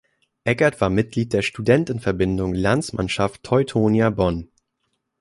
Eckert war Mitglied der Studentenverbindung "Landsmannschaft Teutonia Bonn".